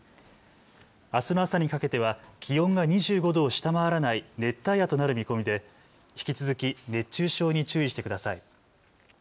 あすの朝にかけては気温が２５度を下回らない熱帯夜となる見込みで引き続き熱中症に注意してください。